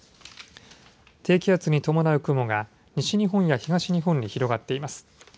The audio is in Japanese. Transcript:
低気圧に伴う雲が西日本や東日本に広がっています。